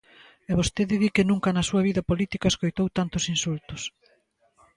E vostede di que nunca na súa vida política escoitou tantos insultos.